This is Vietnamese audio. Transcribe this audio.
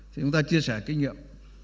thì chúng ta chia sẻ kinh nghiệm